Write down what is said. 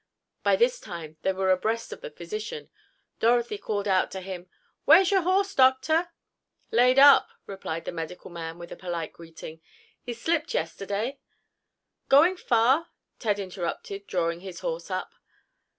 By this time they were abreast of the physician. Dorothy called out to him: "Where's your horse, Doctor?" "Laid up," replied the medical man, with a polite greeting. "He slipped yesterday——" "Going far?" Ted interrupted, drawing his horse up.